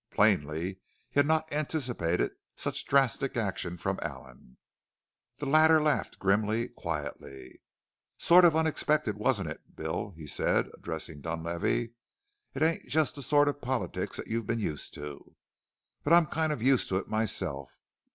Plainly he had not anticipated such drastic action from Allen. The latter laughed grimly, quietly. "Sort of unexpected, wasn't it, Bill?" he said, addressing Dunlavey. "It ain't just the sort of politics that you've been used to. But I'm kind of used to it myself.